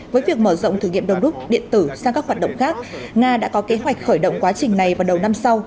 với việc mở rộng thử nghiệm đồng rút điện tử sang các hoạt động khác nga đã có kế hoạch khởi động quá trình này vào đầu năm sau